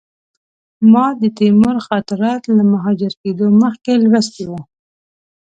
ما د تیمور خاطرات له مهاجر کېدلو مخکې لوستي وو.